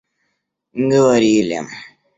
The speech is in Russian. говорили